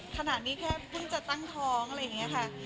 ขนาดนี้แค่เพิ่งจะตั้งท้องอะไรอย่างนี้ค่ะ